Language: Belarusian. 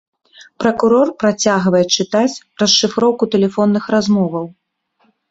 Пракурор працягвае чытаць расшыфроўку тэлефонных размоваў.